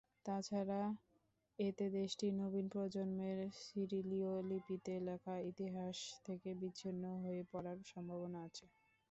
তাছাড়া এতে দেশটির নবীন প্রজন্মের সিরিলীয় লিপিতে লেখা ইতিহাস থেকে বিচ্ছিন্ন হয়ে পড়ার সম্ভাবনা আছে।